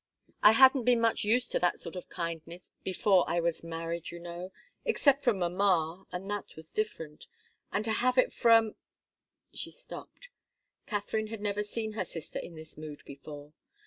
"I hadn't been much used to that sort of kindness before I was married, you know except from mamma, and that was different and to have it from " She stopped. Katharine had never seen her sister in this mood before.